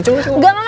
gak gak gak